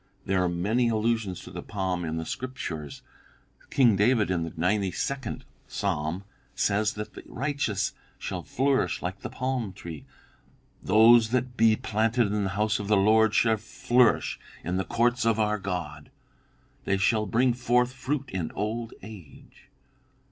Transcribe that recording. There are many allusions to the palm in the Scriptures. King David, in the ninety second psalm, says that the righteous shall flourish like the palm tree: 'Those that be planted in the house of the Lord shall flourish in the courts of our God. They shall bring forth fruit in old age.'